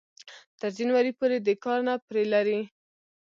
تر جنوري پورې دې کار نه پرې لري